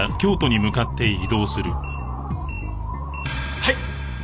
はい！